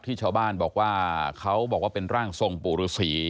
ชาวบ้านบอกว่าเขาบอกว่าเป็นร่างทรงปู่ฤษี